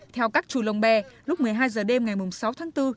theo các chủ lồng bè lúc một mươi hai giờ đêm ngày mùng sáu tháng bốn